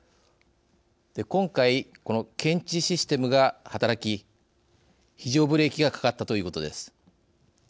今回この検知システムが働き非常ブレーキがかかったということです。